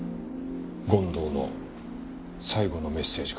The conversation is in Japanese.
権藤の最後のメッセージか。